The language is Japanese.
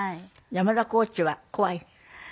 山田コーチは怖い？